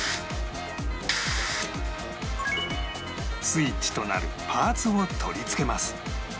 スイッチとなるパーツを取り付けます